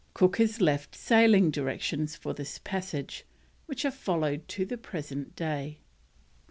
Cook has left sailing directions for this passage which are followed to the present day.